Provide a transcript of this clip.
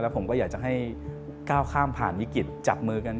ผมก็อยากจะให้ก้าวข้ามผ่านวิกฤตจับมือกัน